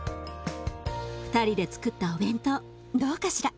２人でつくったお弁当どうかしら？